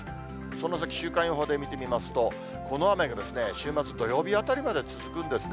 その先、週間予報で見てみますと、この雨が週末土曜日あたりまで続くんですね。